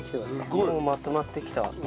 もうまとまってきた。